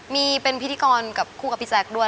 มีเป็นพิธีกรกับคู่กับพี่แจ๊คด้วย